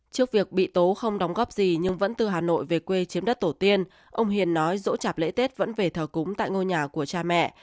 trước việc bị tố không đóng góp gì nhưng vẫn từ hà nội về quê chiếm đất tổ tiên ông hiền nói dỗ chạp lễ tết vẫn về thờ cúng tại ngôi nhà của cha mẹ